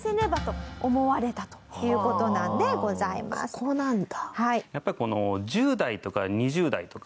ここなんだ。